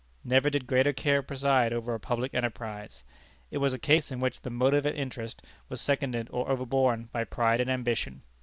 Never did greater care preside over a public enterprise. It was a case in which the motive of interest was seconded or overborne by pride and ambition.